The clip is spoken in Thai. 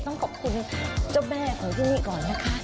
ต้องขอบคุณเจ้าแม่ของที่นี่ก่อนนะคะ